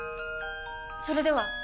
それでは！